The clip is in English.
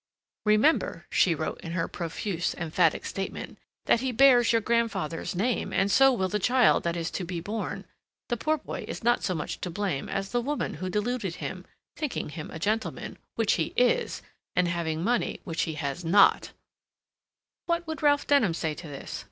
"Remember," she wrote, in her profuse, emphatic statement, "that he bears your grandfather's name, and so will the child that is to be born. The poor boy is not so much to blame as the woman who deluded him, thinking him a gentleman, which he IS, and having money, which he has not." "What would Ralph Denham say to this?"